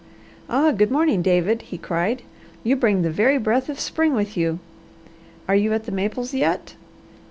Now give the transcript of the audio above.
"Ah good morning, David," he cried. "You bring the very breath of spring with you. Are you at the maples yet?"